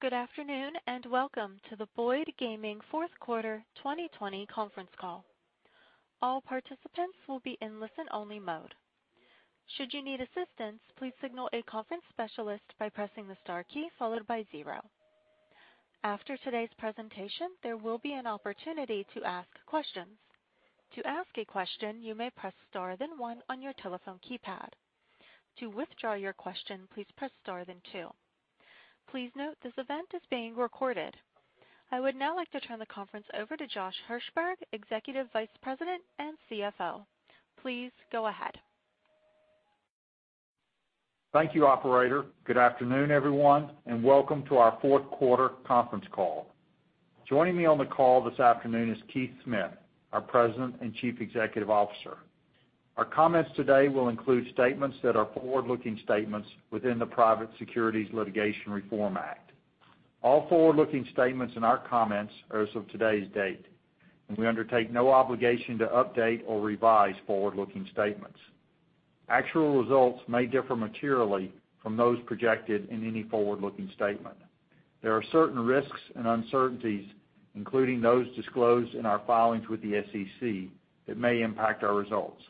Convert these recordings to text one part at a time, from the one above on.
Good afternoon, and welcome to the Boyd Gaming fourth quarter 2020 conference call. All participants will be in listen-only mode. Should you need assistance, please signal a conference specialist by pressing the star key followed by zero. After today's presentation, there will be an opportunity to ask questions. To ask a question, you may press star, then one on your telephone keypad. To withdraw your question, please press star, then two. Please note, this event is being recorded. I would now like to turn the conference over to Josh Hirsberg, Executive Vice President and CFO. Please go ahead. Thank you, operator. Good afternoon, everyone, and welcome to our fourth quarter conference call. Joining me on the call this afternoon is Keith Smith, our President and Chief Executive Officer. Our comments today will include statements that are forward-looking statements within the Private Securities Litigation Reform Act. All forward-looking statements in our comments are as of today's date, and we undertake no obligation to update or revise forward-looking statements. Actual results may differ materially from those projected in any forward-looking statement. There are certain risks and uncertainties, including those disclosed in our filings with the SEC, that may impact our results.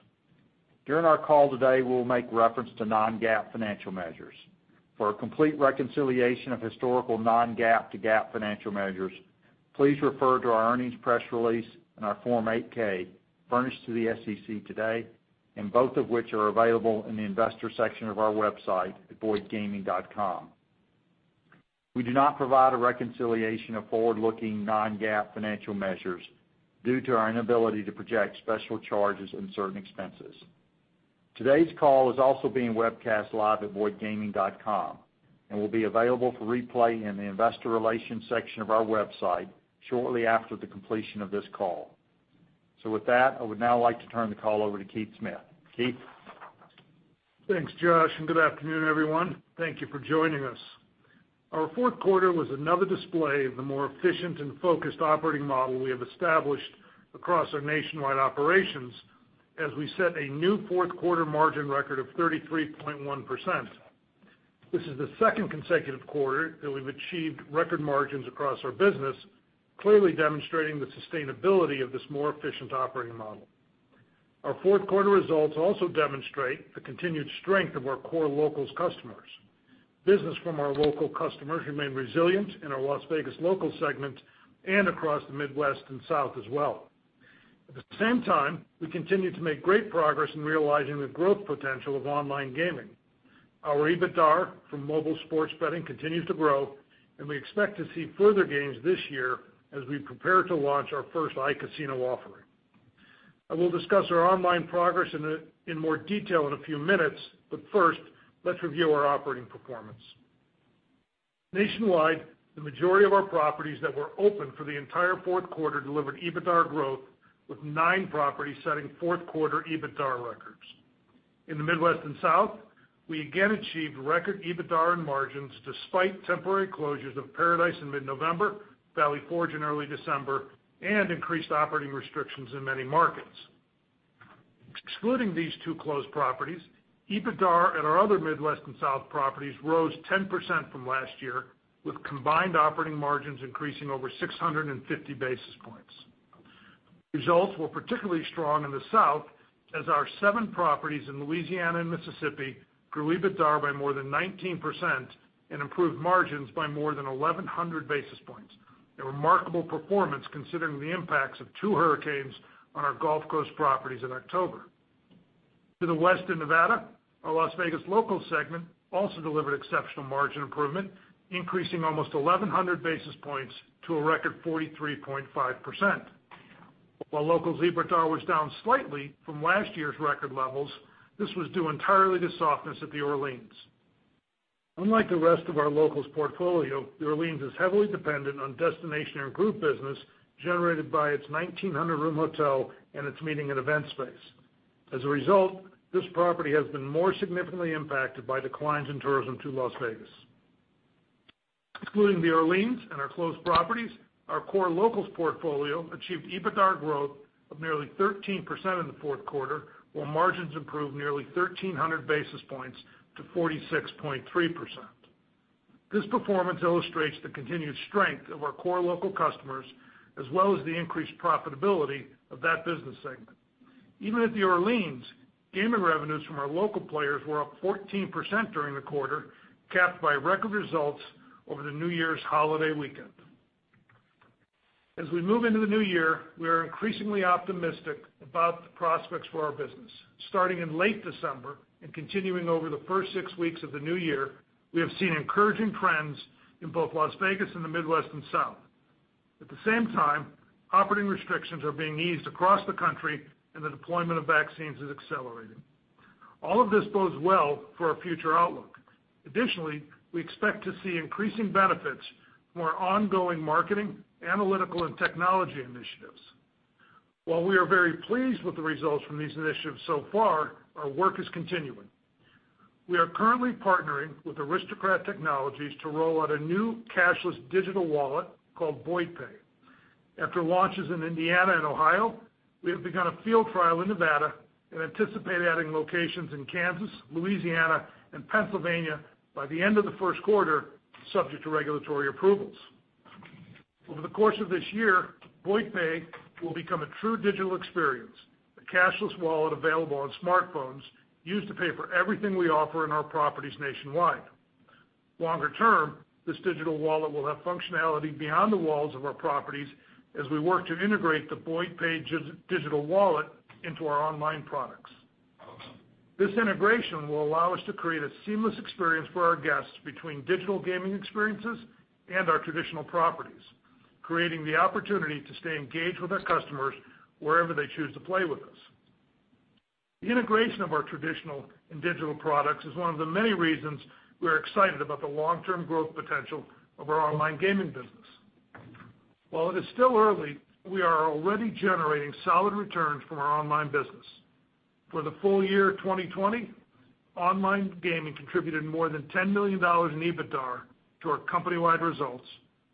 During our call today, we'll make reference to non-GAAP financial measures. For a complete reconciliation of historical non-GAAP to GAAP financial measures, please refer to our earnings press release and our Form 8-K, furnished to the SEC today, and both of which are available in the investor section of our website at boydgaming.com. We do not provide a reconciliation of forward-looking non-GAAP financial measures due to our inability to project special charges and certain expenses. Today's call is also being webcast live at boydgaming.com and will be available for replay in the investor relations section of our website shortly after the completion of this call. So with that, I would now like to turn the call over to Keith Smith. Keith? Thanks, Josh, and good afternoon, everyone. Thank you for joining us. Our fourth quarter was another display of the more efficient and focused operating model we have established across our nationwide operations as we set a new fourth quarter margin record of 33.1%. This is the second consecutive quarter that we've achieved record margins across our business, clearly demonstrating the sustainability of this more efficient operating model. Our fourth quarter results also demonstrate the continued strength of our core local customers. Business from our local customers remained resilient in our Las Vegas Locals segment and across the Midwest and South as well. At the same time, we continued to make great progress in realizing the growth potential of online gaming. Our EBITDA from mobile sports betting continues to grow, and we expect to see further gains this year as we prepare to launch our first iCasino offering. I will discuss our online progress in more detail in a few minutes, but first, let's review our operating performance. Nationwide, the majority of our properties that were open for the entire fourth quarter delivered EBITDA growth, with nine properties setting fourth quarter EBITDA records. In the Midwest and South, we again achieved record EBITDA and margins despite temporary closures of Par-A-Dice in mid-November, Valley Forge in early December, and increased operating restrictions in many markets. Excluding these two closed properties, EBITDA at our other Midwest and South properties rose 10% from last year, with combined operating margins increasing over 650 basis points. Results were particularly strong in the South, as our seven properties in Louisiana and Mississippi grew EBITDA by more than 19% and improved margins by more than 1,100 basis points, a remarkable performance considering the impacts of two hurricanes on our Gulf Coast properties in October. To the West in Nevada, our Las Vegas Locals segment also delivered exceptional margin improvement, increasing almost 1,100 basis points to a record 43.5%. While Locals EBITDA was down slightly from last year's record levels, this was due entirely to softness at The Orleans. Unlike the rest of our Locals portfolio, The Orleans is heavily dependent on destination and group business generated by its 1,900-room hotel and its meeting and event space. As a result, this property has been more significantly impacted by declines in tourism to Las Vegas. Excluding The Orleans and our closed properties, our core Locals portfolio achieved EBITDA growth of nearly 13% in the fourth quarter, while margins improved nearly 1,300 basis points to 46.3%. This performance illustrates the continued strength of our core local customers, as well as the increased profitability of that business segment. Even at The Orleans, gaming revenues from our local players were up 14% during the quarter, capped by record results over the New Year's holiday weekend. As we move into the new year, we are increasingly optimistic about the prospects for our business. Starting in late December and continuing over the first six weeks of the new year, we have seen encouraging trends in both Las Vegas and the Midwest and South. At the same time, operating restrictions are being eased across the country, and the deployment of vaccines is accelerating. All of this bodes well for our future outlook. Additionally, we expect to see increasing benefits from our ongoing marketing, analytical, and technology initiatives. While we are very pleased with the results from these initiatives so far, our work is continuing. We are currently partnering with Aristocrat Technologies to roll out a new cashless digital wallet called Boyd Pay. After launches in Indiana and Ohio, we have begun a field trial in Nevada and anticipate adding locations in Kansas, Louisiana, and Pennsylvania by the end of the first quarter, subject to regulatory approvals. Over the course of this year, Boyd Pay will become a true digital experience, a cashless wallet available on smartphones used to pay for everything we offer in our properties nationwide. Longer term, this digital wallet will have functionality beyond the walls of our properties as we work to integrate the Boyd Pay digital wallet into our online products. This integration will allow us to create a seamless experience for our guests between digital gaming experiences and our traditional properties, creating the opportunity to stay engaged with our customers wherever they choose to play with us. The integration of our traditional and digital products is one of the many reasons we're excited about the long-term growth potential of our online gaming business. While it is still early, we are already generating solid returns from our online business. For the full year of 2020, online gaming contributed more than $10 million in EBITDA to our company-wide results,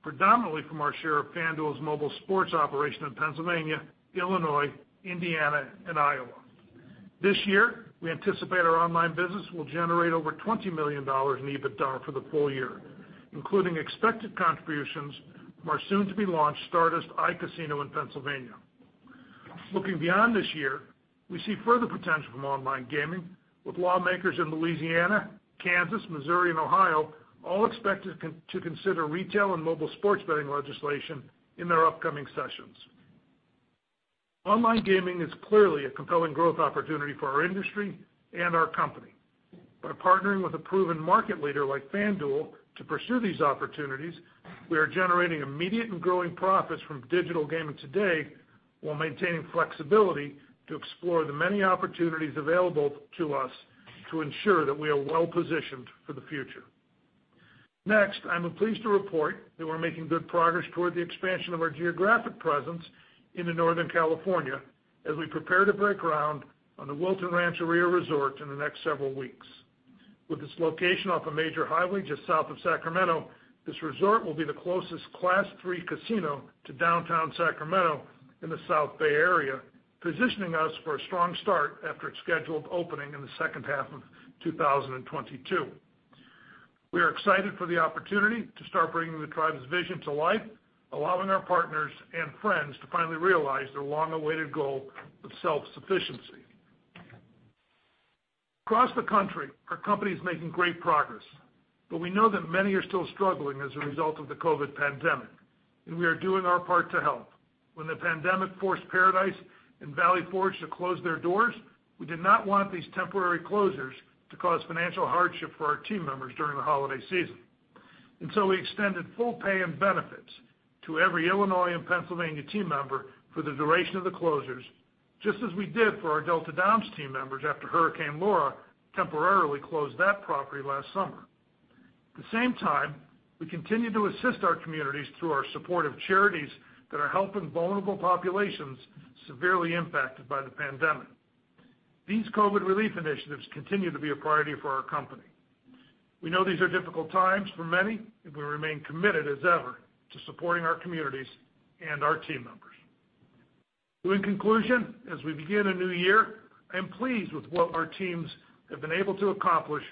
predominantly from our share of FanDuel's mobile sports operation in Pennsylvania, Illinois, Indiana, and Iowa. This year, we anticipate our online business will generate over $20 million in EBITDA for the full year, including expected contributions from our soon-to-be-launched Stardust iCasino in Pennsylvania. Looking beyond this year, we see further potential from online gaming, with lawmakers in Louisiana, Kansas, Missouri, and Ohio all expected to consider retail and mobile sports betting legislation in their upcoming sessions. Online gaming is clearly a compelling growth opportunity for our industry and our company. By partnering with a proven market leader like FanDuel to pursue these opportunities, we are generating immediate and growing profits from digital gaming today, while maintaining flexibility to explore the many opportunities available to us to ensure that we are well-positioned for the future. Next, I'm pleased to report that we're making good progress toward the expansion of our geographic presence into Northern California as we prepare to break ground on the Wilton Rancheria Resort in the next several weeks. With its location off a major highway just south of Sacramento, this resort will be the closest Class III casino to Downtown Sacramento in the South Bay Area, positioning us for a strong start after its scheduled opening in the second half of 2022. We are excited for the opportunity to start bringing the tribe's vision to life, allowing our partners and friends to finally realize their long-awaited goal of self-sufficiency. Across the country, our company is making great progress, but we know that many are still struggling as a result of the COVID pandemic, and we are doing our part to help. When the pandemic forced Par-A-Dice and Valley Forge to close their doors, we did not want these temporary closures to cause financial hardship for our team members during the holiday season. And so we extended full pay and benefits to every Illinois and Pennsylvania team member for the duration of the closures, just as we did for our Delta Downs team members after Hurricane Laura temporarily closed that property last summer. At the same time, we continued to assist our communities through our support of charities that are helping vulnerable populations severely impacted by the pandemic. These COVID relief initiatives continue to be a priority for our company. We know these are difficult times for many, and we remain committed as ever to supporting our communities and our team members. So in conclusion, as we begin a new year, I am pleased with what our teams have been able to accomplish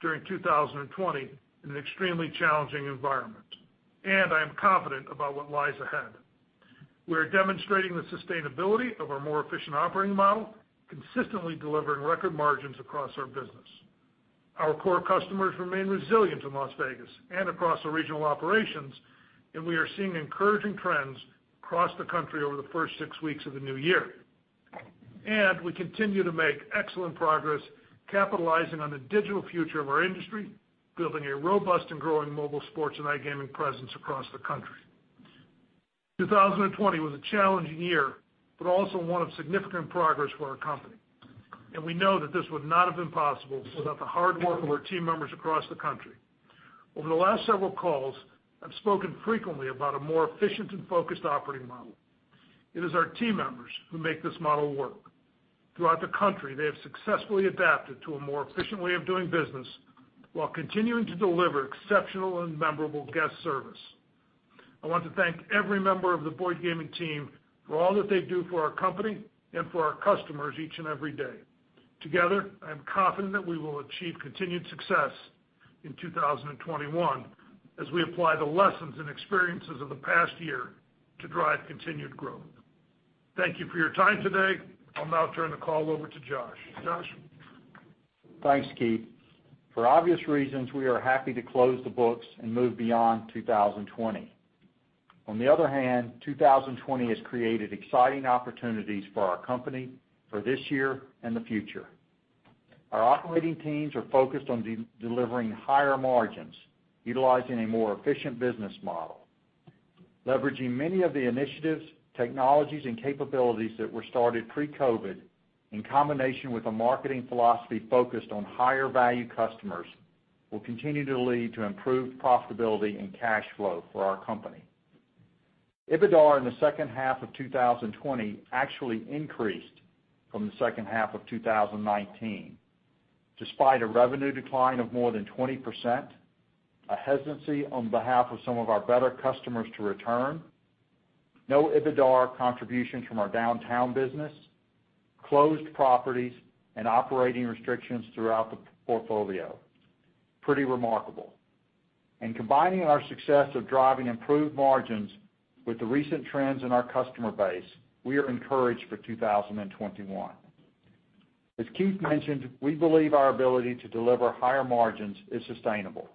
during 2020 in an extremely challenging environment, and I am confident about what lies ahead. We are demonstrating the sustainability of our more efficient operating model, consistently delivering record margins across our business. Our core customers remain resilient in Las Vegas and across the regional operations, and we are seeing encouraging trends across the country over the first six weeks of the new year. We continue to make excellent progress, capitalizing on the digital future of our industry, building a robust and growing mobile sports and iGaming presence across the country. 2020 was a challenging year, but also one of significant progress for our company, and we know that this would not have been possible without the hard work of our team members across the country. Over the last several calls, I've spoken frequently about a more efficient and focused operating model. It is our team members who make this model work. Throughout the country, they have successfully adapted to a more efficient way of doing business while continuing to deliver exceptional and memorable guest service. I want to thank every member of the Boyd Gaming team for all that they do for our company and for our customers each and every day. Together, I am confident that we will achieve continued success in 2021 as we apply the lessons and experiences of the past year to drive continued growth. Thank you for your time today. I'll now turn the call over to Josh. Josh? Thanks, Keith. For obvious reasons, we are happy to close the books and move beyond 2020. On the other hand, 2020 has created exciting opportunities for our company for this year and the future. Our operating teams are focused on delivering higher margins, utilizing a more efficient business model. Leveraging many of the initiatives, technologies, and capabilities that were started pre-COVID, in combination with a marketing philosophy focused on higher-value customers, will continue to lead to improved profitability and cash flow for our company. EBITDA in the second half of 2020 actually increased from the second half of 2019, despite a revenue decline of more than 20%, a hesitancy on behalf of some of our better customers to return, no EBITDA contributions from our Downtown business, closed properties, and operating restrictions throughout the portfolio. Pretty remarkable. Combining our success of driving improved margins with the recent trends in our customer base, we are encouraged for 2021. As Keith mentioned, we believe our ability to deliver higher margins is sustainable,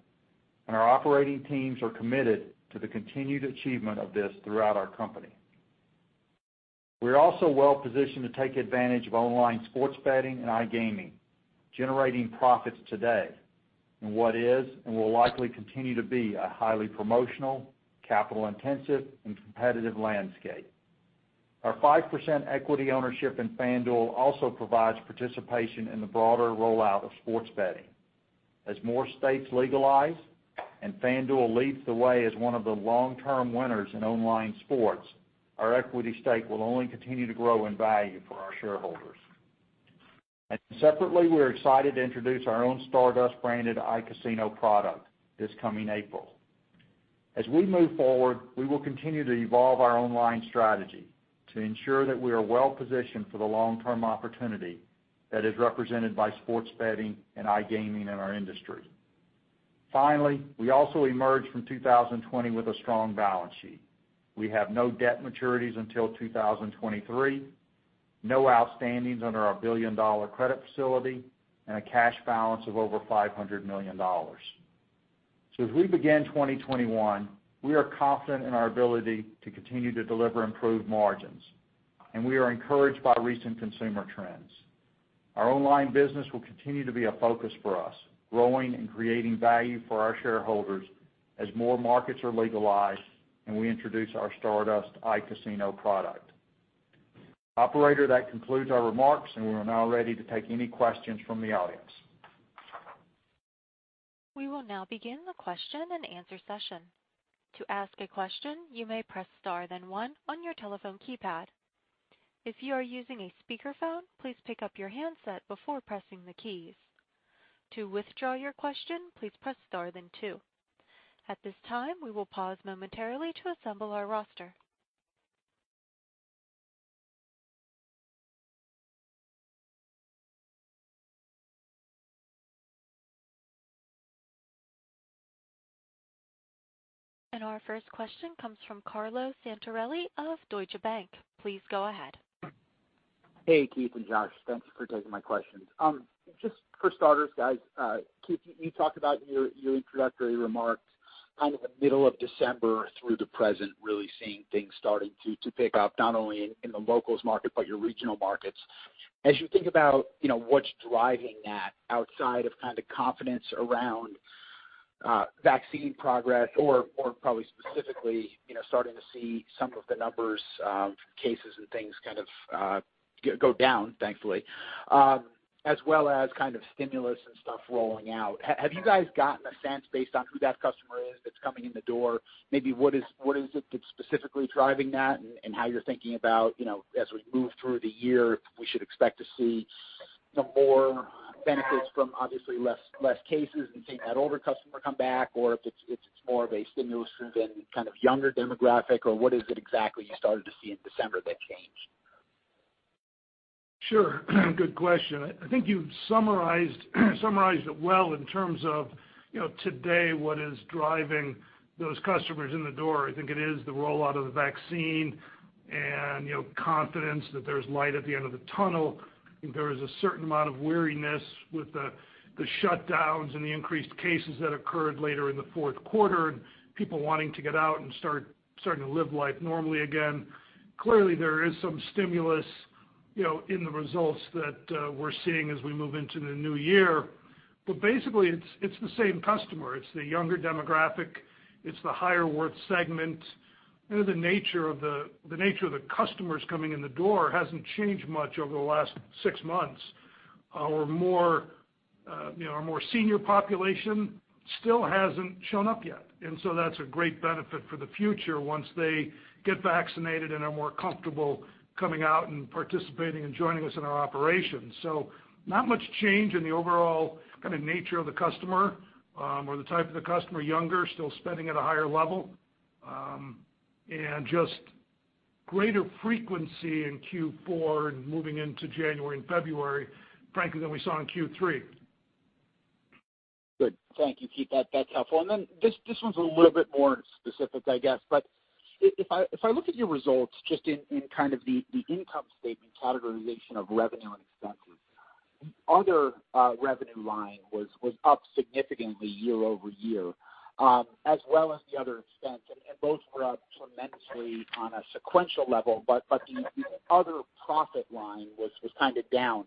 and our operating teams are committed to the continued achievement of this throughout our company. We're also well positioned to take advantage of online sports betting and iGaming, generating profits today in what is, and will likely continue to be, a highly promotional, capital intensive, and competitive landscape. Our 5% equity ownership in FanDuel also provides participation in the broader rollout of sports betting. As more states legalize and FanDuel leads the way as one of the long-term winners in online sports, our equity stake will only continue to grow in value for our shareholders. Separately, we're excited to introduce our own Stardust-branded iCasino product this coming April. As we move forward, we will continue to evolve our online strategy to ensure that we are well-positioned for the long-term opportunity that is represented by sports betting and iGaming in our industry. Finally, we also emerged from 2020 with a strong balance sheet. We have no debt maturities until 2023, no outstandings under our billion-dollar credit facility, and a cash balance of over $500 million. So as we begin 2021, we are confident in our ability to continue to deliver improved margins, and we are encouraged by recent consumer trends. Our online business will continue to be a focus for us, growing and creating value for our shareholders as more markets are legalized, and we introduce our Stardust iCasino product. Operator, that concludes our remarks, and we are now ready to take any questions from the audience. We will now begin the question-and-answer session. To ask a question, you may press star then one on your telephone keypad. If you are using a speakerphone, please pick up your handset before pressing the keys. To withdraw your question, please press star then two. At this time, we will pause momentarily to assemble our roster. Our first question comes from Carlo Santarelli of Deutsche Bank. Please go ahead. Hey, Keith and Josh, thanks for taking my questions. Just for starters, guys, Keith, you talked about in your introductory remarks, kind of the middle of December through the present, really seeing things starting to pick up, not only in the locals market, but your regional markets. As you think about, you know, what's driving that outside of kind of confidence around vaccine progress or probably specifically, you know, starting to see some of the numbers, cases and things kind of go down, thankfully, as well as kind of stimulus and stuff rolling out, have you guys gotten a sense based on who that customer is that's coming in the door? Maybe what is it that's specifically driving that, and how you're thinking about, you know, as we move through the year, if we should expect to see, you know, more benefits from obviously less cases and seeing that older customer come back, or if it's more of a stimulus-driven, kind of younger demographic, or what is it exactly you started to see in December that changed? Sure. Good question. I think you've summarized it well in terms of, you know, today, what is driving those customers in the door. I think it is the rollout of the vaccine and, you know, confidence that there's light at the end of the tunnel. I think there is a certain amount of weariness with the shutdowns and the increased cases that occurred later in the fourth quarter, and people wanting to get out and starting to live life normally again. Clearly, there is some stimulus, you know, in the results that we're seeing as we move into the new year. But basically, it's the same customer. It's the younger demographic, it's the higher worth segment. You know, the nature of the customers coming in the door hasn't changed much over the last six months. Our more, you know, our more senior population still hasn't shown up yet, and so that's a great benefit for the future once they get vaccinated and are more comfortable coming out and participating and joining us in our operations. So not much change in the overall kind of nature of the customer, or the type of the customer, younger, still spending at a higher level, and just greater frequency in Q4 and moving into January and February, frankly, than we saw in Q3. Good. Thank you, Keith. That's helpful. And then this one's a little bit more specific, I guess. But if I look at your results just in kind of the income statement categorization of revenue and expenses, other revenue line was up significantly year-over-year, as well as the other expense, and both were up tremendously on a sequential level, but the other profit line was kind of down.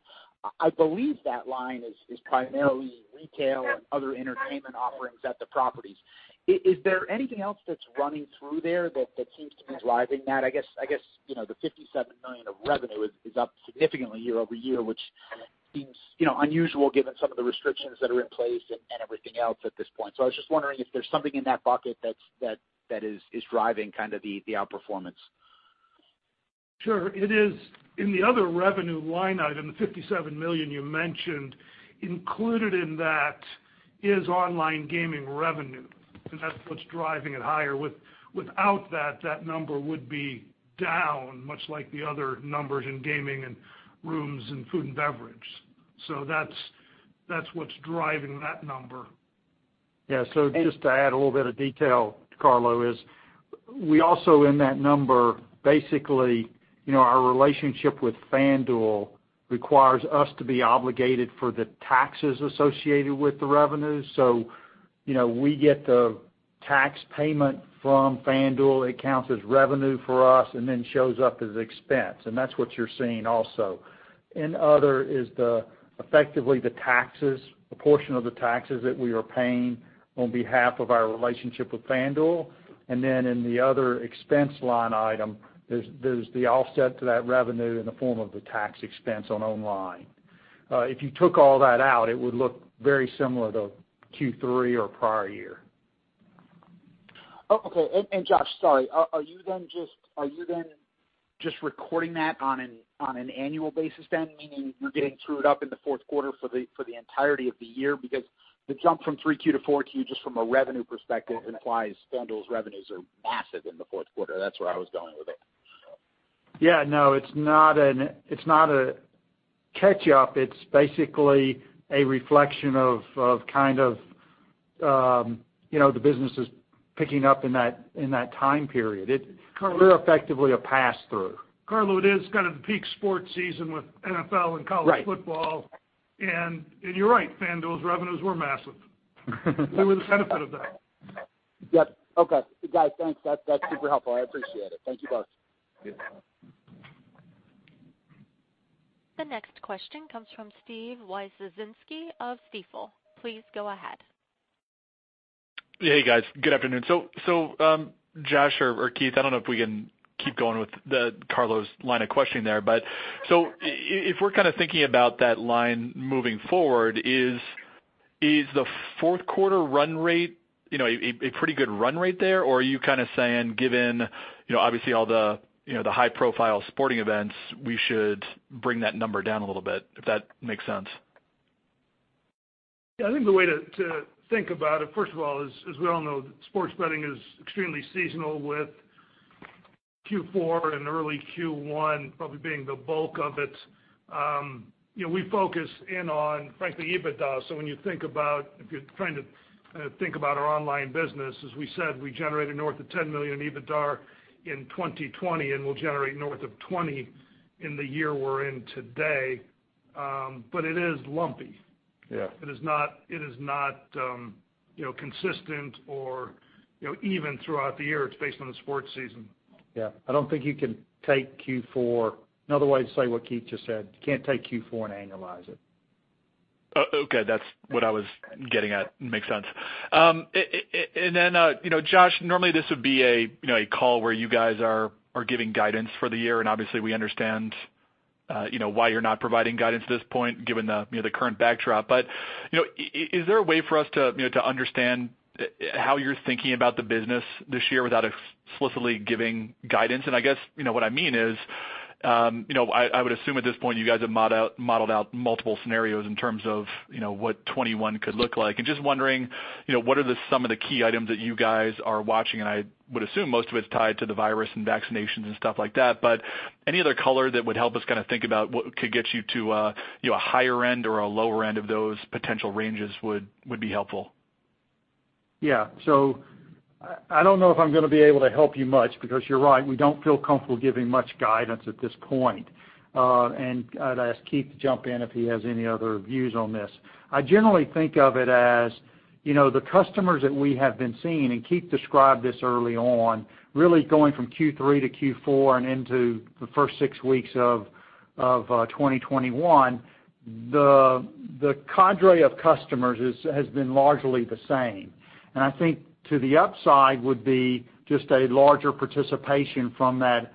I believe that line is primarily retail and other entertainment offerings at the properties. Is there anything else that's running through there that seems to be driving that? I guess, you know, the $57 million of revenue is up significantly year-over-year, which seems, you know, unusual given some of the restrictions that are in place and everything else at this point. So I was just wondering if there's something in that bucket that's driving kind of the outperformance? Sure, it is. In the other revenue line item, the $57 million you mentioned, included in that is online gaming revenue, and that's what's driving it higher. Without that, that number would be down, much like the other numbers in gaming and rooms and food and beverage. So that's what's driving that number. Yeah. So just to add a little bit of detail, Carlo, is we also in that number, basically, you know, our relationship with FanDuel requires us to be obligated for the taxes associated with the revenues. So, you know, we get the tax payment from FanDuel, it counts as revenue for us, and then shows up as expense. And that's what you're seeing also. In other is the, effectively the taxes, a portion of the taxes that we are paying on behalf of our relationship with FanDuel. And then in the other expense line item, there's, there's the offset to that revenue in the form of the tax expense on online. If you took all that out, it would look very similar to Q3 or prior year. Oh, okay. And Josh, sorry, are you then just recording that on an annual basis then? Meaning you're getting true it up in the fourth quarter for the entirety of the year, because the jump from 3Q to 4Q, just from a revenue perspective, implies FanDuel's revenues are massive in the fourth quarter. That's where I was going with it. Yeah, no, it's not a catch up. It's basically a reflection of, of kind of, you know, the business is picking up in that time period. It- Carlo- We're effectively a pass through. Carlo, it is kind of the peak sports season with NFL and college football. You're right, FanDuel's revenues were massive. We were the benefit of that. Yep. Okay, guys, thanks. That's super helpful. I appreciate it. Thank you both. Yeah. The next question comes from Steve Wieczynski of Stifel. Please go ahead. Hey, guys. Good afternoon. Josh or Keith, I don't know if we can keep going with the Carlo's line of questioning there, but if we're kind of thinking about that line moving forward, is the fourth quarter run rate, you know, a pretty good run rate there? Or are you kind of saying, given, you know, obviously all the, you know, the high-profile sporting events, we should bring that number down a little bit, if that makes sense? Yeah, I think the way to, to think about it, first of all, is, as we all know, sports betting is extremely seasonal, with Q4 and early Q1 probably being the bulk of it. You know, we focus in on, frankly, EBITDA. So when you think about, if you're trying to think about our online business, as we said, we generated north of $10 million EBITDAR in 2020, and we'll generate north of $20 million in the year we're in today. But it is lumpy. Yeah. It is not, you know, consistent or, you know, even throughout the year. It's based on the sports season. Yeah. I don't think you can take Q4. Another way to say what Keith just said, you can't take Q4 and annualize it. Oh, okay. That's what I was getting at. Makes sense. And then, you know, Josh, normally this would be a, you know, a call where you guys are giving guidance for the year, and obviously, we understand, you know, why you're not providing guidance at this point, given the, you know, the current backdrop. But, you know, is there a way for us to, you know, to understand how you're thinking about the business this year without explicitly giving guidance? And I guess, you know, what I mean is, you know, I would assume at this point, you guys have modeled out multiple scenarios in terms of, you know, what 2021 could look like. And just wondering, you know, what are some of the key items that you guys are watching? I would assume most of it's tied to the virus and vaccinations and stuff like that. But any other color that would help us kind of think about what could get you to a, you know, a higher end or a lower end of those potential ranges would be helpful. Yeah. So I don't know if I'm going to be able to help you much, because you're right, we don't feel comfortable giving much guidance at this point. And I'd ask Keith to jump in if he has any other views on this. I generally think of it as, you know, the customers that we have been seeing, and Keith described this early on, really going from Q3 to Q4 and into the first six weeks of 2021, the cadre of customers has been largely the same. And I think to the upside would be just a larger participation from that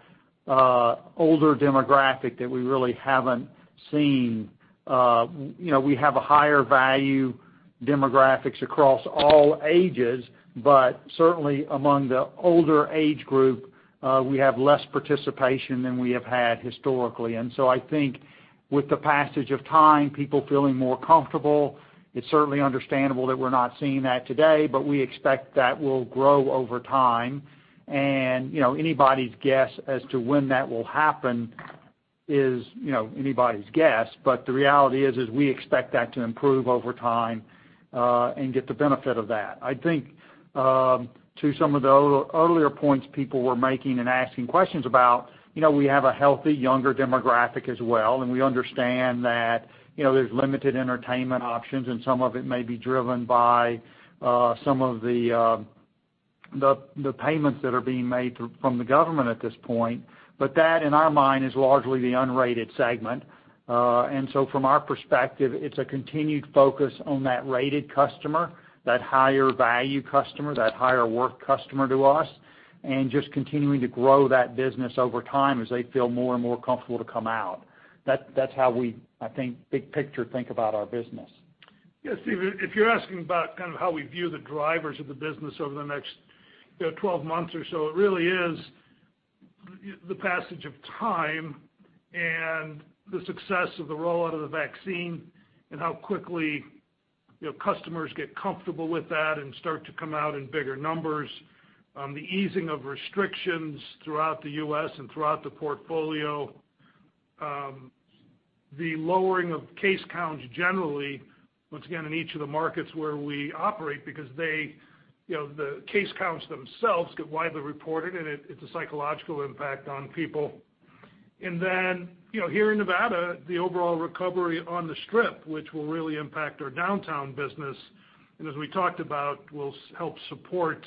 older demographic that we really haven't seen. You know, we have a higher value demographics across all ages, but certainly among the older age group, we have less participation than we have had historically. And so I think with the passage of time, people feeling more comfortable, it's certainly understandable that we're not seeing that today, but we expect that will grow over time. And, you know, anybody's guess as to when that will happen is, you know, anybody's guess. But the reality is we expect that to improve over time, and get the benefit of that. I think to some of the earlier points people were making and asking questions about, you know, we have a healthy, younger demographic as well, and we understand that, you know, there's limited entertainment options, and some of it may be driven by some of the payments that are being made from the government at this point. But that, in our mind, is largely the unrated segment. And so from our perspective, it's a continued focus on that rated customer, that higher value customer, that higher worth customer to us, and just continuing to grow that business over time as they feel more and more comfortable to come out. That's how we, I think, big picture, think about our business. Yeah, Steve, if you're asking about kind of how we view the drivers of the business over the next, you know, 12 months or so, it really is the passage of time and the success of the rollout of the vaccine, and how quickly, you know, customers get comfortable with that and start to come out in bigger numbers. The easing of restrictions throughout the U.S. and throughout the portfolio. The lowering of case counts generally, once again, in each of the markets where we operate, because they, you know, the case counts themselves get widely reported, and it's a psychological impact on people. And then, you know, here in Nevada, the overall recovery on the Strip, which will really impact our Downtown business, and as we talked about, will help support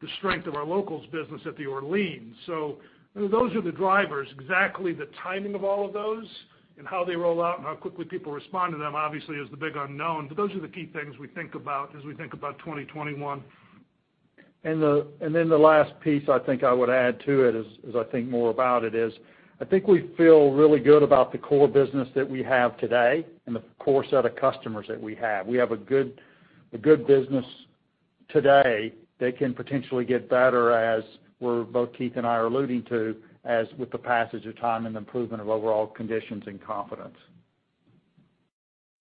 the strength of our locals business at The Orleans. So those are the drivers. Exactly the timing of all of those and how they roll out and how quickly people respond to them, obviously, is the big unknown, but those are the key things we think about as we think about 2021. And then the last piece I think I would add to it, as I think more about it, is I think we feel really good about the core business that we have today and the core set of customers that we have. We have a good business today that can potentially get better, as we're both Keith and I are alluding to, as with the passage of time and improvement of overall conditions and confidence.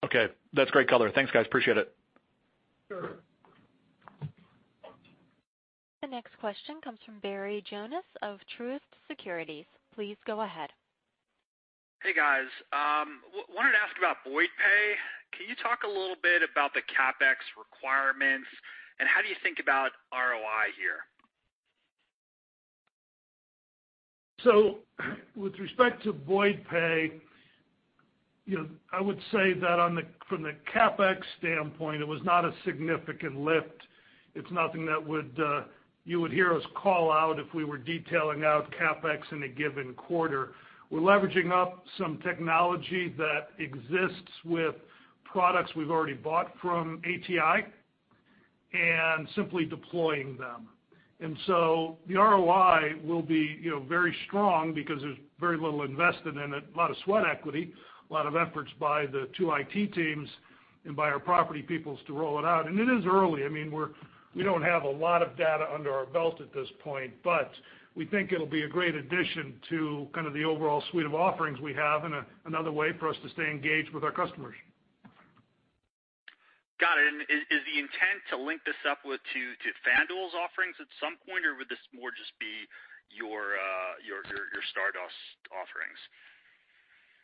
Okay, that's great color. Thanks, guys. Appreciate it. Sure. The next question comes from Barry Jonas of Truist Securities. Please go ahead. Hey, guys. Wanted to ask about Boyd Pay. Can you talk a little bit about the CapEx requirements, and how do you think about ROI here? So with respect to Boyd Pay, you know, I would say that on the, from the CapEx standpoint, it was not a significant lift. It's nothing that would you would hear us call out if we were detailing out CapEx in a given quarter. We're leveraging up some technology that exists with products we've already bought from ATI and simply deploying them. And so the ROI will be, you know, very strong because there's very little invested in it, a lot of sweat equity, a lot of efforts by the two IT teams and by our property peoples to roll it out. And it is early. I mean, we don't have a lot of data under our belt at this point, but we think it'll be a great addition to kind of the overall suite of offerings we have and another way for us to stay engaged with our customers. Got it. And is the intent to link this up to FanDuel's offerings at some point, or would this more just be your Stardust offerings?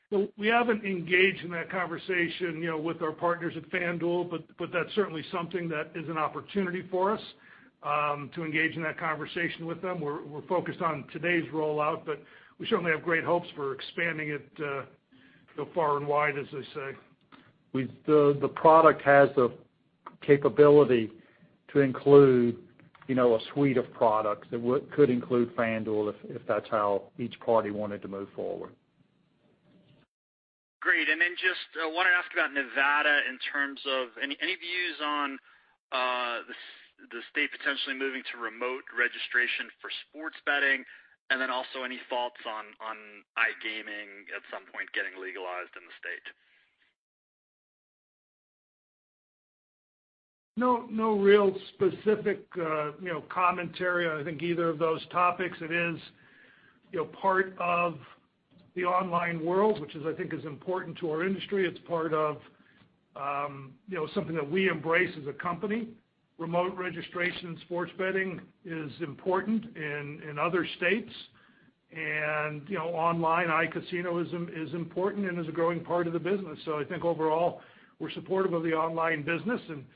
Well, we haven't engaged in that conversation, you know, with our partners at FanDuel, but that's certainly something that is an opportunity for us, to engage in that conversation with them. We're focused on today's rollout, but we certainly have great hopes for expanding it, you know, far and wide, as they say. The product has the capability to include, you know, a suite of products that could include FanDuel, if that's how each party wanted to move forward. Great. And then just wanted to ask about Nevada in terms of any views on the state potentially moving to remote registration for sports betting, and then also any thoughts on iGaming at some point getting legalized in the state? No, no real specific, you know, commentary on, I think, either of those topics. It is, you know, part of the online world, which is, I think, important to our industry. It's part of, you know, something that we embrace as a company. Remote registration in sports betting is important in other states. And, you know, online iCasino is important and is a growing part of the business. So I think overall, we're supportive of the online business. And, you know,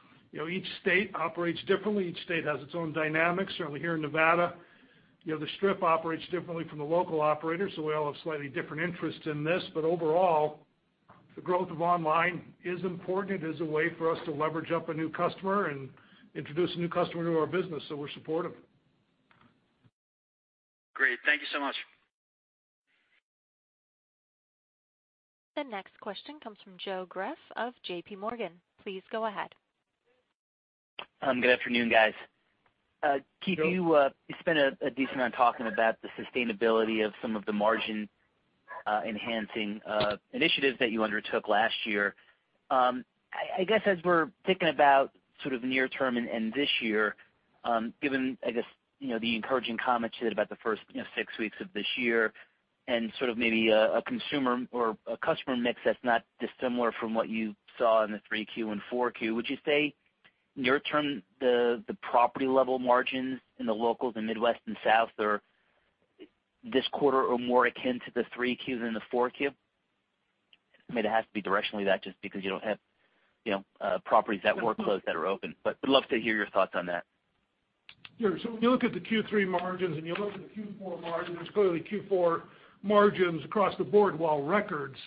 each state operates differently. Each state has its own dynamics. Certainly, here in Nevada, you know, the Strip operates differently from the local operators, so we all have slightly different interests in this. But overall, the growth of online is important. It is a way for us to leverage up a new customer and introduce a new customer to our business, so we're supportive. Great. Thank you so much. The next question comes from Joe Greff of JP Morgan. Please go ahead. Good afternoon, guys. Keith, you spent a decent amount talking about the sustainability of some of the margin enhancing initiatives that you undertook last year. I guess, as we're thinking about sort of near term and this year, given, I guess, you know, the encouraging comments you had about the first, you know, six weeks of this year and sort of maybe a consumer or a customer mix that's not dissimilar from what you saw in the 3Q and 4Q, would you say near term, the property level margins in the locals, the Midwest and South, are this quarter or more akin to the 3Q than the 4Q? I mean, it has to be directionally that just because you don't have, you know, properties that were closed that are open, but I'd love to hear your thoughts on that. Sure. So when you look at the Q3 margins and you look at the Q4 margins, clearly Q4 margins across the board, while records,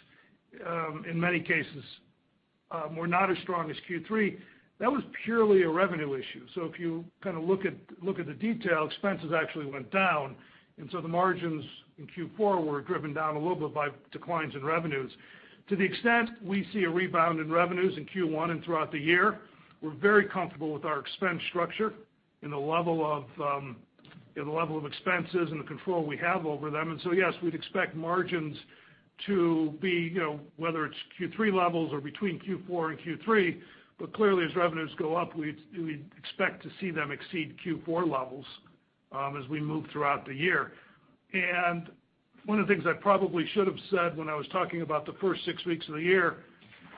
in many cases, were not as strong as Q3, that was purely a revenue issue. So if you kind of look at, look at the detail, expenses actually went down, and so the margins in Q4 were driven down a little bit by declines in revenues. To the extent we see a rebound in revenues in Q1 and throughout the year, we're very comfortable with our expense structure and the level of, the level of expenses and the control we have over them. So, yes, we'd expect margins to be, you know, whether it's Q3 levels or between Q4 and Q3, but clearly, as revenues go up, we'd, we'd expect to see them exceed Q4 levels, as we move throughout the year. One of the things I probably should have said when I was talking about the first six weeks of the year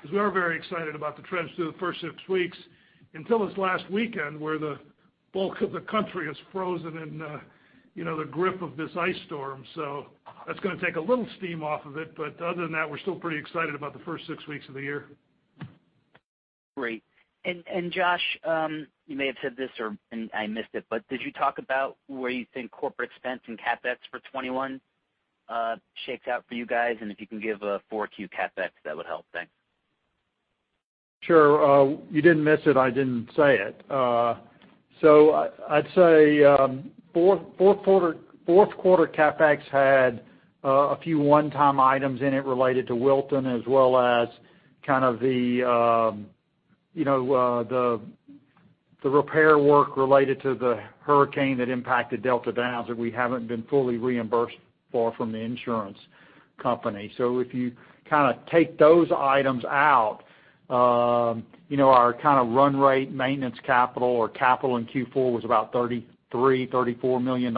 is we are very excited about the trends through the first six weeks, until this last weekend, where the bulk of the country is frozen in, you know, the grip of this ice storm. So that's gonna take a little steam off of it, but other than that, we're still pretty excited about the first six weeks of the year. Great. And, and Josh, you may have said this, or, and I missed it, but did you talk about where you think corporate expense and CapEx for 2021 shakes out for you guys? And if you can give a 4Q CapEx, that would help. Thanks. Sure. You didn't miss it. I didn't say it. So I'd say, fourth quarter CapEx had a few one-time items in it related to Wilton, as well as kind of the, you know, the repair work related to the hurricane that impacted Delta Downs, that we haven't been fully reimbursed for from the insurance company. So if you kind of take those items out, you know, our kind of run rate, maintenance capital or capital in Q4 was about $33 million-$34 million.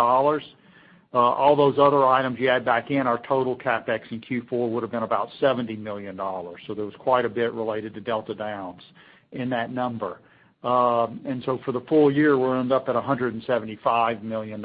All those other items you add back in, our total CapEx in Q4 would have been about $70 million. So there was quite a bit related to Delta Downs in that number. And so for the full year, we'll end up at $175 million.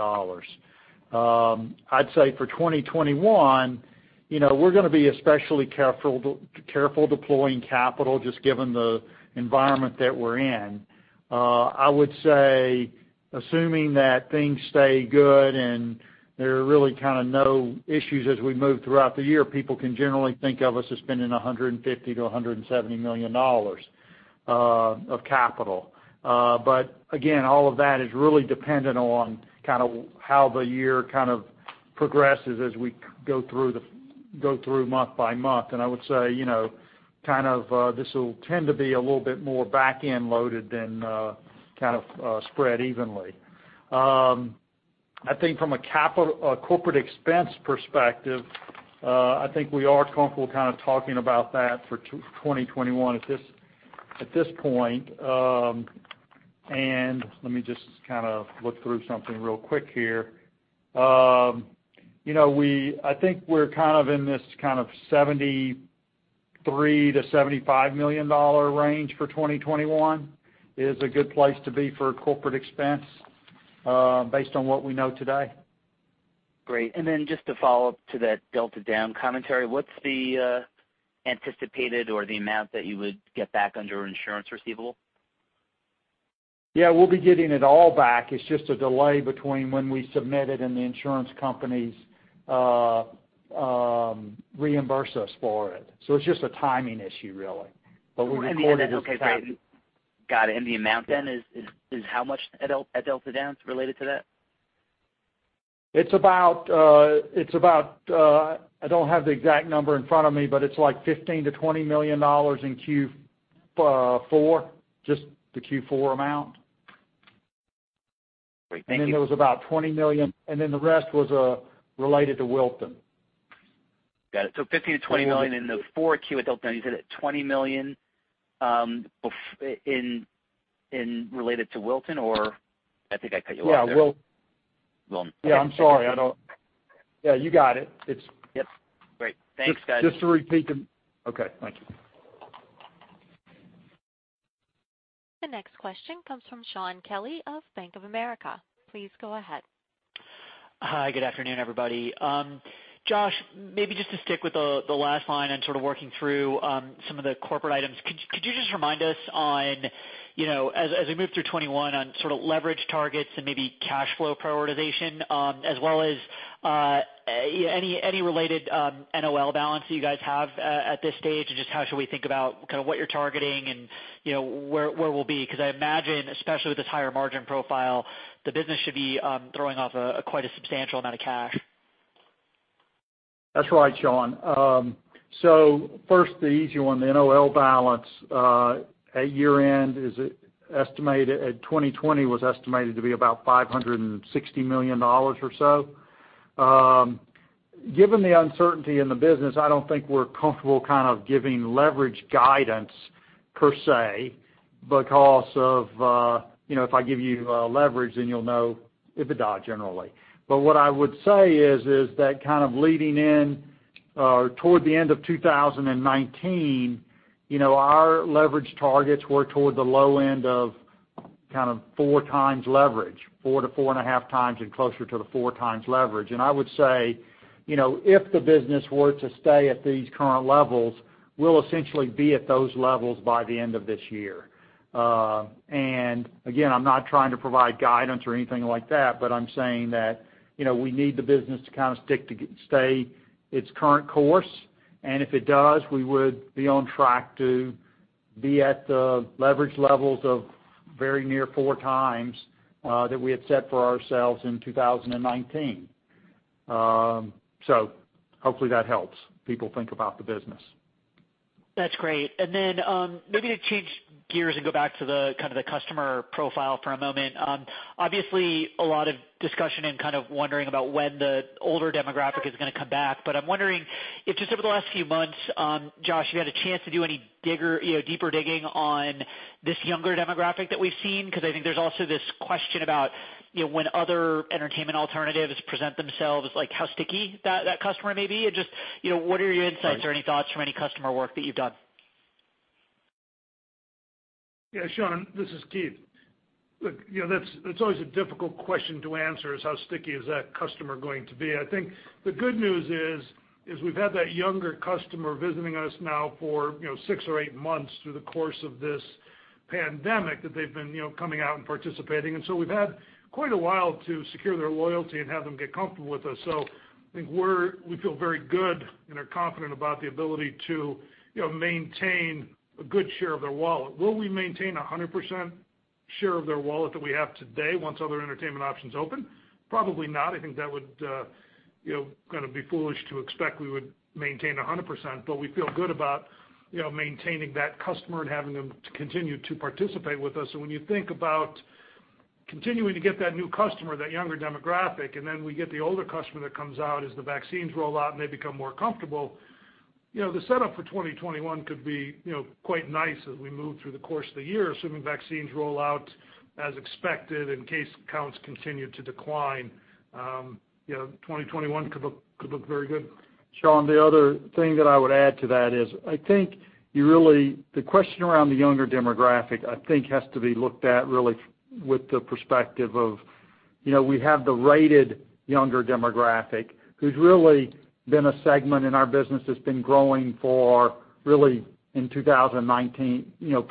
I'd say for 2021, you know, we're gonna be especially careful, careful deploying capital, just given the environment that we're in. I would say, assuming that things stay good, and there are really kind of no issues as we move throughout the year, people can generally think of us as spending $150 million-$170 million of capital. But again, all of that is really dependent on kind of how the year kind of progresses as we go through month by month. And I would say, you know, kind of, this will tend to be a little bit more back-end loaded than, kind of, spread evenly. I think from a corporate expense perspective, I think we are comfortable kind of talking about that for 2021 at this point. Let me just kind of look through something real quick here. You know, I think we're kind of in this kind of $73 million-$75 million range for 2021, is a good place to be for corporate expense, based on what we know today. Great. And then just to follow up to that Delta Downs commentary, what's the anticipated or the amount that you would get back under insurance receivable? Yeah, we'll be getting it all back. It's just a delay between when we submit it and the insurance companies reimburse us for it. So it's just a timing issue, really. But we recorded it- Okay, great. Got it. And the amount then is how much at Delta Downs related to that? It's about. I don't have the exact number in front of me, but it's like $15 million-$20 million in Q4, just the Q4 amount. Great, thank you. Then there was about $20 million, and the rest was related to Wilton. Got it. So $15 million-$20 million in the 4Q at Delta, and you said at $20 million in relation to Wilton, or I think I cut you off there. Yeah, Wil- Wilton. Yeah, I'm sorry. I don't, yeah, you got it. It's- Yep. Great. Thanks, guys. Just to repeat, okay. Thank you. The next question comes from Shaun Kelley of Bank of America. Please go ahead. Hi, good afternoon, everybody. Josh, maybe just to stick with the last line and sort of working through some of the corporate items. Could you just remind us on, you know, as we move through 2021, on sort of leverage targets and maybe cash flow prioritization, as well as any related NOL balance that you guys have at this stage? And just how should we think about kind of what you're targeting and, you know, where we'll be? Because I imagine, especially with this higher margin profile, the business should be throwing off quite a substantial amount of cash. That's right, Sean. So first, the easy one, the NOL balance at year-end 2020 was estimated to be about $560 million or so. Given the uncertainty in the business, I don't think we're comfortable kind of giving leverage guidance per se, because of, you know, if I give you leverage, then you'll know EBITDA, generally. But what I would say is that kind of leading in toward the end of 2019, you know, our leverage targets were toward the low end of kind of 4x leverage, 4x-4.5x and closer to the 4x leverage. And I would say, you know, if the business were to stay at these current levels, we'll essentially be at those levels by the end of this year. And again, I'm not trying to provide guidance or anything like that, but I'm saying that, you know, we need the business to kind of stick to stay its current course. If it does, we would be on track to be at the leverage levels of very near 4x that we had set for ourselves in 2019. So hopefully, that helps people think about the business. R=That's great. And then, maybe to change gears and go back to the kind of the customer profile for a moment. Obviously, a lot of discussion and kind of wondering about when the older demographic is going to come back. But I'm wondering if just over the last few months, Josh, you had a chance to do any deeper digging on this younger demographic that we've seen? Because I think there's also this question about, you know, when other entertainment alternatives present themselves, like how sticky that, that customer may be. And just, you know, what are your insights or any thoughts from any customer work that you've done? Yeah, Shaun, this is Keith. Look, you know, that's always a difficult question to answer, is how sticky is that customer going to be? I think the good news is, is we've had that younger customer visiting us now for, you know, six or eight months through the course of this pandemic, that they've been, you know, coming out and participating. And so we've had quite a while to secure their loyalty and have them get comfortable with us. So I think we feel very good and are confident about the ability to, you know, maintain a good share of their wallet. Will we maintain a 100% share of their wallet that we have today, once other entertainment options open? Probably not. I think that would, you know, kind of be foolish to expect we would maintain 100%, but we feel good about, you know, maintaining that customer and having them to continue to participate with us. So when you think about continuing to get that new customer, that younger demographic, and then we get the older customer that comes out as the vaccines roll out and they become more comfortable, you know, the setup for 2021 could be, you know, quite nice as we move through the course of the year, assuming vaccines roll out as expected, and case counts continue to decline. You know, 2021 could look very good. Sean, the other thing that I would add to that is, I think you really. The question around the younger demographic, I think, has to be looked at really with the perspective of, you know, we have the rated younger demographic, who's really been a segment in our business that's been growing for really in 2019, you know,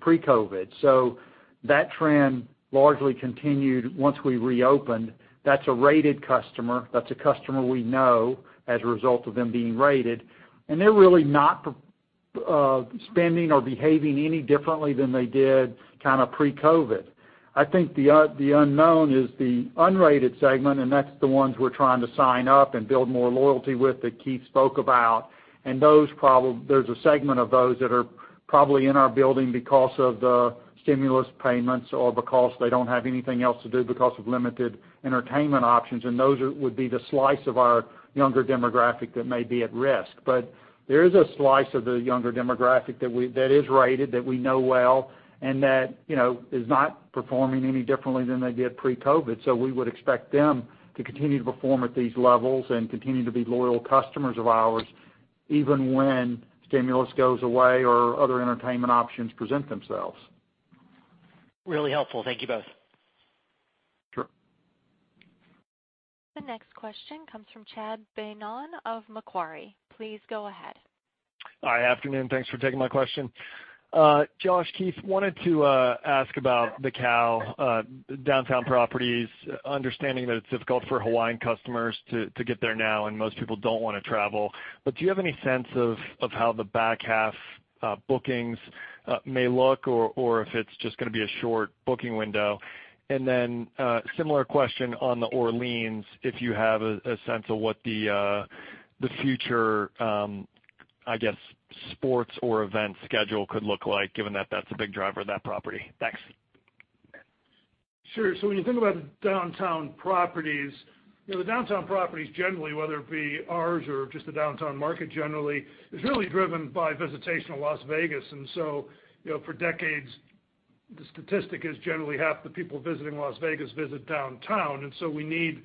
pre-COVID. So that trend largely continued once we reopened. That's a rated customer. That's a customer we know as a result of them being rated, and they're really not spending or behaving any differently than they did kind of pre-COVID. I think the unknown is the unrated segment, and that's the ones we're trying to sign up and build more loyalty with that Keith spoke about. And there's a segment of those that are probably in our building because of the stimulus payments or because they don't have anything else to do because of limited entertainment options. And those would be the slice of our younger demographic that may be at risk. But there is a slice of the younger demographic that is rated, that we know well, and that, you know, is not performing any differently than they did pre-COVID. So we would expect them to continue to perform at these levels and continue to be loyal customers of ours, even when stimulus goes away or other entertainment options present themselves. Really helpful. Thank you both. Sure. The next question comes from Chad Beynon of Macquarie. Please go ahead. Hi, afternoon. Thanks for taking my question. Josh, Keith, wanted to ask about the Cal Downtown properties, understanding that it's difficult for Hawaiian customers to get there now, and most people don't want to travel. But do you have any sense of how the back half, bookings, may look, or if it's just going to be a short booking window? And then, similar question on The Orleans, if you have a sense of what the future, I guess, sports or event schedule could look like, given that that's a big driver of that property. Thanks. Sure. So when you think about downtown properties, you know, the downtown properties, generally, whether it be ours or just the downtown market generally, is really driven by visitation to Las Vegas. And so, you know, for decades, the statistic is generally half the people visiting Las Vegas visit downtown, and so we need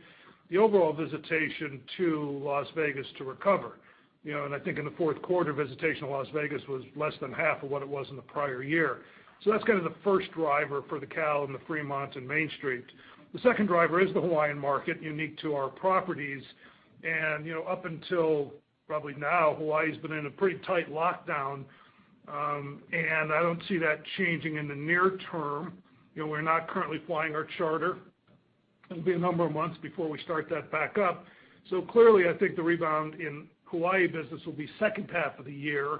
the overall visitation to Las Vegas to recover. You know, and I think in the fourth quarter, visitation to Las Vegas was less than half of what it was in the prior year. So that's kind of the first driver for the Cal and the Fremont, and Main Street. The second driver is the Hawaiian market, unique to our properties. And, you know, up until probably now, Hawaii's been in a pretty tight lockdown, and I don't see that changing in the near term. You know, we're not currently flying our charter. It'll be a number of months before we start that back up. So clearly, I think the rebound in Hawaii business will be second half of the year.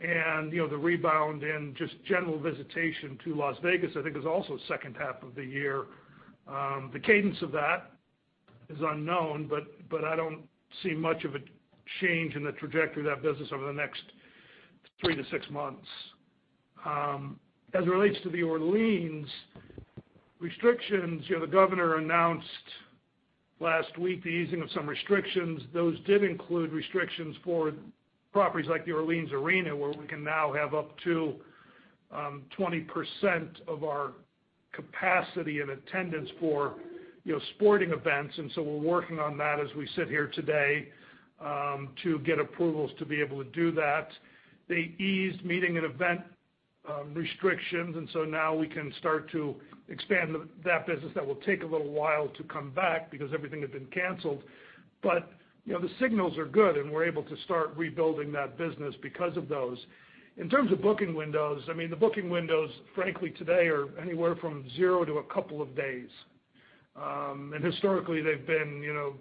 And, you know, the rebound in just general visitation to Las Vegas, I think, is also second half of the year. The cadence of that is unknown, but I don't see much of a change in the trajectory of that business over the next three to six months. As it relates to The Orleans restrictions, you know, the Governor announced last week the easing of some restrictions. Those did include restrictions for properties like The Orleans Arena, where we can now have up to 20% of our capacity and attendance for, you know, sporting events. And so we're working on that as we sit here today to get approvals to be able to do that. They eased meeting and event restrictions, and so now we can start to expand that business. That will take a little while to come back because everything had been canceled. But, you know, the signals are good, and we're able to start rebuilding that business because of those. In terms of booking windows, I mean, the booking windows, frankly, today, are anywhere from zero to a couple of days. And historically, they've been, you know,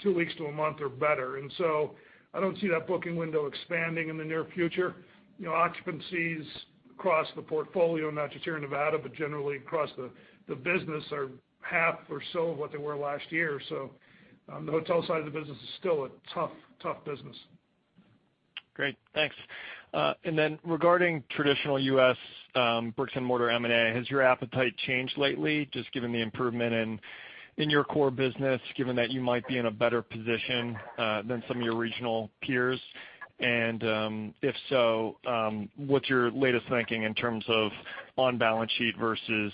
two weeks to a month or better. And so I don't see that booking window expanding in the near future. You know, occupancies across the portfolio, not just here in Nevada, but generally across the business, are half or so of what they were last year. So, the hotel side of the business is still a tough, tough business. Great, thanks. And then regarding traditional U.S., bricks and mortar M&A, has your appetite changed lately, just given the improvement in, in your core business, given that you might be in a better position, than some of your regional peers? And, if so, what's your latest thinking in terms of on-balance sheet versus,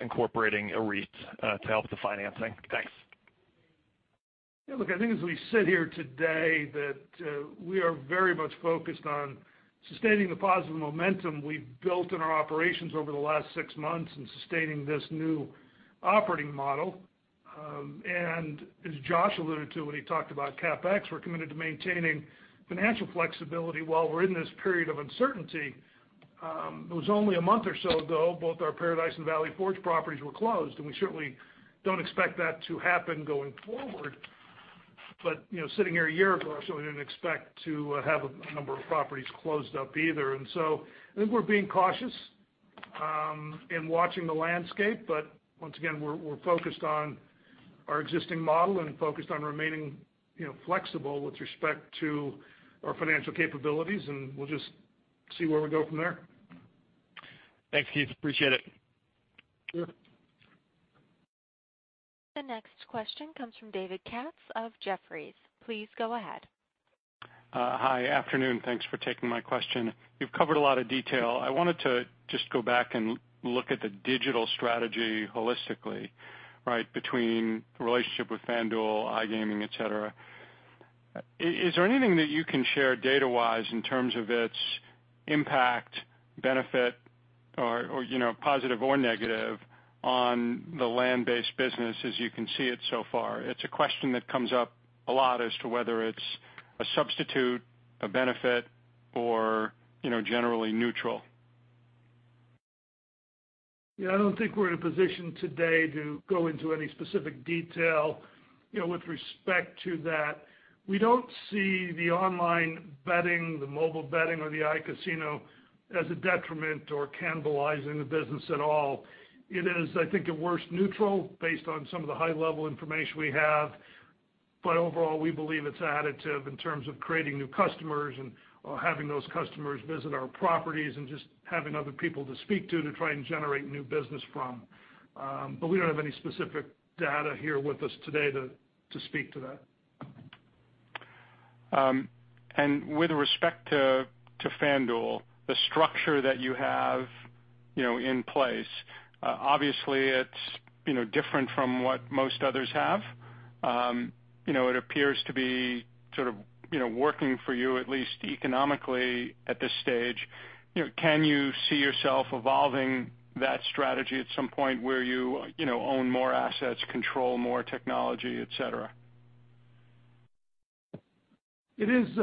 incorporating a REIT, to help the financing? Thanks. Yeah, look, I think as we sit here today, that we are very much focused on sustaining the positive momentum we've built in our operations over the last six months and sustaining this new operating model. And as Josh alluded to when he talked about CapEx, we're committed to maintaining financial flexibility while we're in this period of uncertainty. It was only a month or so ago, both our Par-A-Dice and Valley Forge properties were closed, and we certainly don't expect that to happen going forward. But, you know, sitting here a year ago, I certainly didn't expect to have a number of properties closed up either. And so I think we're being cautious in watching the landscape. But once again, we're focused on our existing model and focused on remaining, you know, flexible with respect to our financial capabilities, and we'll just see where we go from there. Thanks, Keith. Appreciate it. Sure. The next question comes from David Katz of Jefferies. Please go ahead. Hi, afternoon. Thanks for taking my question. You've covered a lot of detail. I wanted to just go back and look at the digital strategy holistically, right, between the relationship with FanDuel, iGaming, et cetera. Is there anything that you can share data-wise in terms of its impact, benefit, or, you know, positive or negative on the land-based business as you can see it so far? It's a question that comes up a lot as to whether it's a substitute, a benefit, or, you know, generally neutral. Yeah, I don't think we're in a position today to go into any specific detail, you know, with respect to that. We don't see the online betting, the mobile betting or the iCasino as a detriment or cannibalizing the business at all. It is, I think, at worst, neutral based on some of the high-level information we have, but overall, we believe it's additive in terms of creating new customers and having those customers visit our properties and just having other people to speak to, to try and generate new business from. But we don't have any specific data here with us today to, to speak to that. And with respect to FanDuel, the structure that you have, you know, in place, obviously it's, you know, different from what most others have. You know, it appears to be sort of, you know, working for you, at least economically at this stage. You know, can you see yourself evolving that strategy at some point where you, you know, own more assets, control more technology, et cetera? It is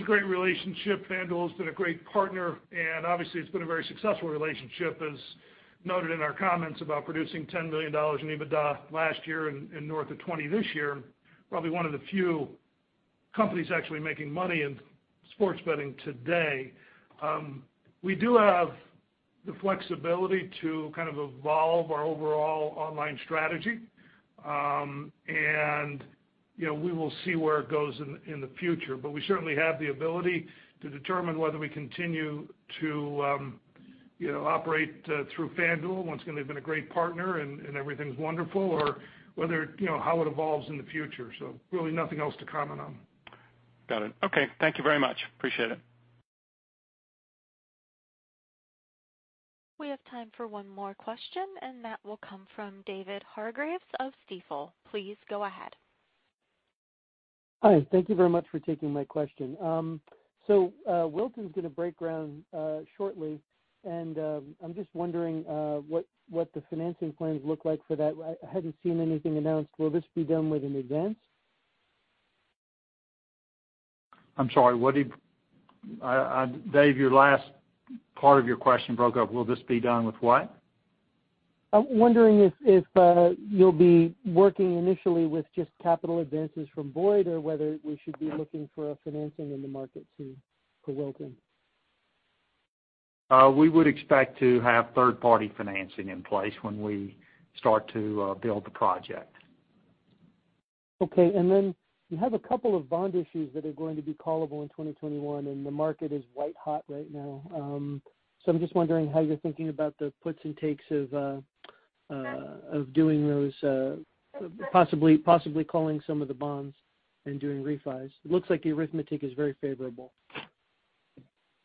a great relationship. FanDuel has been a great partner, and obviously, it's been a very successful relationship, as noted in our comments about producing $10 billion in EBITDA last year and north of $20 billion this year, probably one of the few companies actually making money in sports betting today. We do have the flexibility to kind of evolve our overall online strategy. And, you know, we will see where it goes in the future. But we certainly have the ability to determine whether we continue to operate through FanDuel. Once again, they've been a great partner and everything's wonderful or whether, you know, how it evolves in the future. So really nothing else to comment on. Got it. Okay, thank you very much. Appreciate it. We have time for one more question, and that will come from David Hargreaves of Stifel. Please go ahead. Hi, thank you very much for taking my question. So, Wilton's going to break ground shortly, and I'm just wondering what the financing plans look like for that. I hadn't seen anything announced. Will this be done with an advance? I'm sorry, Dave, your last part of your question broke up. Will this be done with what? I'm wondering if you'll be working initially with just capital advances from Boyd, or whether we should be looking for a financing in the market to for Wilton. We would expect to have third-party financing in place when we start to build the project. Okay. Then you have a couple of bond issues that are going to be callable in 2021, and the market is white hot right now. So I'm just wondering how you're thinking about the puts and takes of doing those, possibly calling some of the bonds and doing refis. It looks like the arithmetic is very favorable.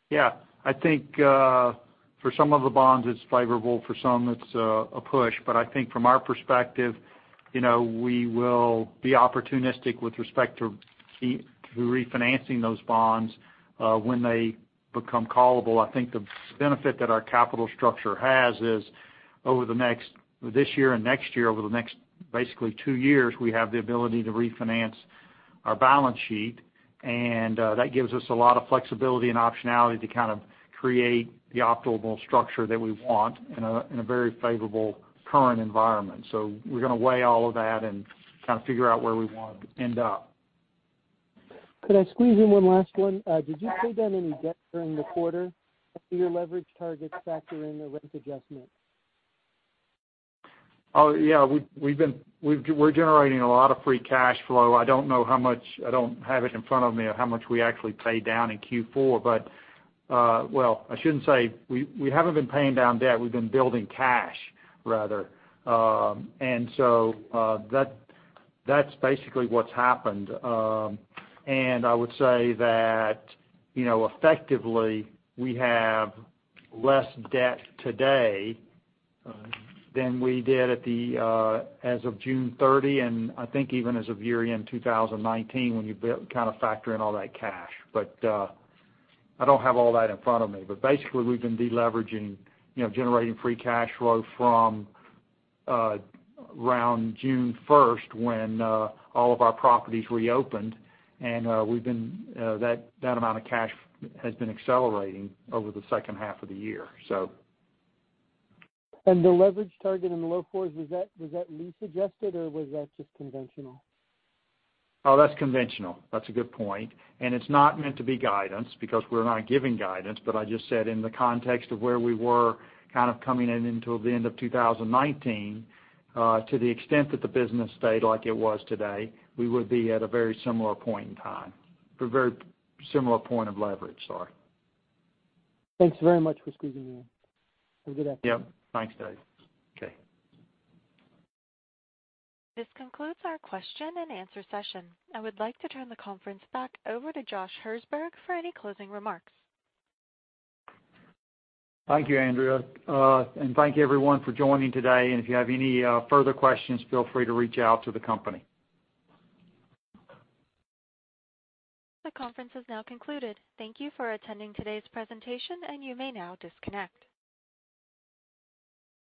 Yeah. I think, for some of the bonds, it's favorable. For some, it's, a push. But I think from our perspective, you know, we will be opportunistic with respect to refinancing those bonds, when they become callable. I think the benefit that our capital structure has is over the next, this year and next year, over the next, basically two years, we have the ability to refinance our balance sheet, and, that gives us a lot of flexibility and optionality to kind of create the optimal structure that we want in a very favorable current environment. So we're going to weigh all of that and kind of figure out where we want to end up. Could I squeeze in one last one? Did you pay down any debt during the quarter? Do your leverage targets factor in the rent adjustment? Oh, yeah, we've been generating a lot of free cash flow. I don't know how much, I don't have it in front of me of how much we actually paid down in Q4. But, well, I shouldn't say we, we haven't been paying down debt. We've been building cash, rather. And so, that, that's basically what's happened. And I would say that, you know, effectively, we have less debt today than we did at the as of June 30, and I think even as of year-end 2019, when you kind of factor in all that cash. But I don't have all that in front of me. Basically, we've been deleveraging, you know, generating free cash flow from around June 1st, when all of our properties reopened, and that amount of cash has been accelerating over the second half of the year, so. The leverage target in the low 4s, was that, was that lease adjusted, or was that just conventional? Oh, that's conventional. That's a good point, and it's not meant to be guidance, because we're not giving guidance, but I just said in the context of where we were kind of coming in until the end of 2019, to the extent that the business stayed like it was today, we would be at a very similar point in time, a very similar point of leverage, sorry. Thanks very much for squeezing me in. Have a good afternoon. Yep. Thanks, Dave. Okay. This concludes our question-and-answer session. I would like to turn the conference back over to Josh Hirsberg for any closing remarks. Thank you, Andrea. Thank you, everyone, for joining today, and if you have any further questions, feel free to reach out to the company. The conference has now concluded. Thank you for attending today's presentation, and you may now disconnect.